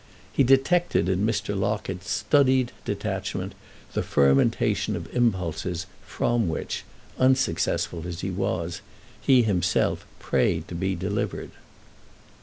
He detected in Mr. Locket's studied detachment the fermentation of impulses from which, unsuccessful as he was, he himself prayed to be delivered.